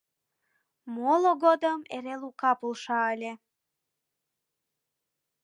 Моло годым эре Лука полша ыле.